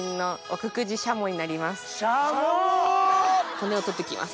骨を取って行きます。